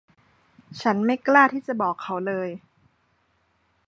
ฉันไม่กล้าที่จะบอกเขาเลย